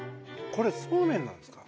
これ、そうめんなんですか。